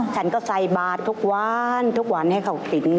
ฉันก็ใส่บาททุกวันทุกวันให้เขากิน